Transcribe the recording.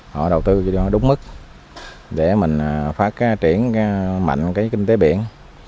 họ đầu tư cho đúng mức để mình phát triển mạnh cái kinh tế biển